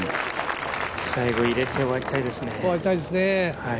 最後入れて終わりたいですね。